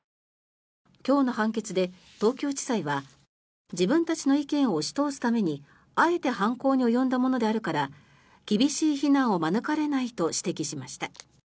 今日の判決で東京地裁は自分たちの意見を押し通すためにあえて犯行に及んだものであるから厳しい非難を免れないと指摘しました。